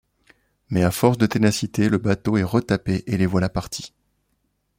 Mais à force de ténacité le bateau est retapé et les voilà partis.